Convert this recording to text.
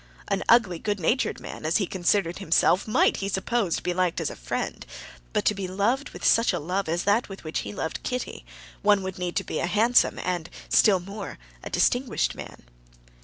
An ugly, good natured man, as he considered himself, might, he supposed, be liked as a friend; but to be loved with such a love as that with which he loved Kitty, one would need to be a handsome and, still more, a distinguished man.